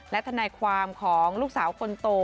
และทนายความของลูกสาวคนโต